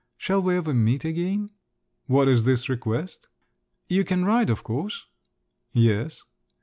Shall we ever meet again?" "What is this request?" "You can ride, of course?" "Yes."